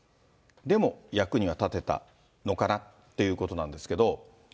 でも役には立てたのかな？ということなんですけど。